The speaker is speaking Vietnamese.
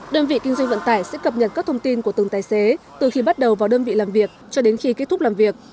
đơn vị kinh doanh vận tải sẽ cập nhật các thông tin của từng tài xế từ khi bắt đầu vào đơn vị làm việc cho đến khi kết thúc làm việc